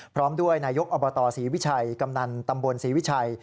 พร้อมด้วยนายกอบตศรีวิชัยกำนันตำบลศรีวิชัย